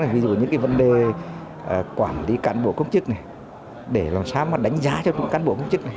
ví dụ những cái vấn đề quản lý cán bộ công chức này để làm sao mà đánh giá cho những cán bộ công chức này